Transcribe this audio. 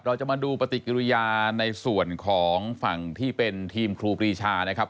เราจะมาดูปฏิกิริยาในส่วนของฝั่งที่เป็นทีมครูปรีชานะครับ